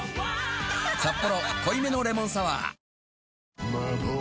「サッポロ濃いめのレモンサワー」